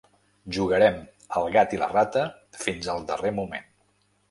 Jugarem al gat i la rata fins al darrer moment.